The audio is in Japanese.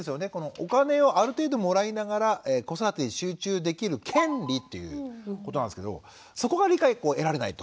お金をある程度もらいながら子育てに集中できる権利っていうことなんですけどそこが理解を得られないと。